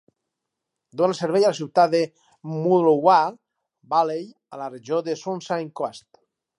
Dona servei a la ciutat de Mooloolah Valley a la regió de Sunshine Coast.